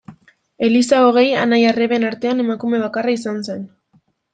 Elisa hogei anai-arreben artean emakume bakarra izan zen.